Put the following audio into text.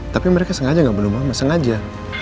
tapi mereka sengaja ga bunuh mama sengaja